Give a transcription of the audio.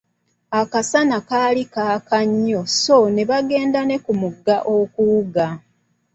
Akasana kaali kaaka nnyo sso ne bagenda ku mugga okuwuga.